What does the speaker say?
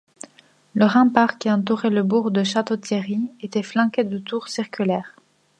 Le rempart qui entourait le bourg de Château-Thierry était flanqué de tours circulaires.